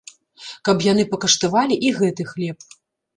Каб яны пакаштавалі і гэты хлеб.